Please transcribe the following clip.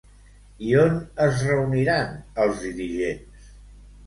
I on es reuniran els dirigents?